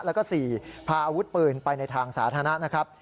แล้วก็๔พาอาวุธปืนไปในทางสาธารณะนะครับ